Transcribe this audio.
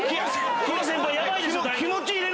この先輩ヤバいでしょ！